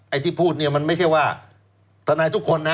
ไอ้ที่พูดมันไม่ใช่ว่าธนายทุกคนนะ